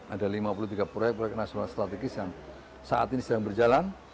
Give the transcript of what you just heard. ada lima puluh tiga proyek proyek nasional strategis yang saat ini sedang berjalan